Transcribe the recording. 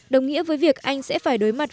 đồng nghĩa với việc anh sẽ phải đối mặt